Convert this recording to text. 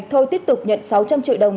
thôi tiếp tục nhận sáu trăm linh triệu đồng